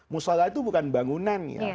musola itu bukan bangunan ya